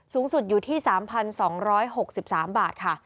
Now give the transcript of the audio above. สูงสุด๓๒๖๓บาท